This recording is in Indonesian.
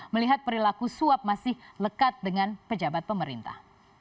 melihat perilaku suap masih lekat dengan pejabat pemerintah